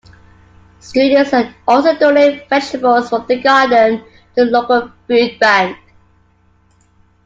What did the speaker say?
Students also donate vegetables from the garden to a local food bank.